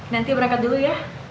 nanti berangkat dulu ya